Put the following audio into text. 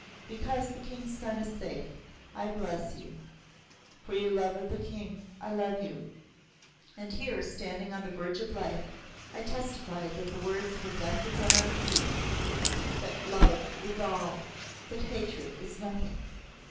Because the King's son is safe, I bless you. For your love of the King, I love you. And here, standing on the verge of life, I testify that the words of the Blessed One are truth that love is All; that hatred is Nothing."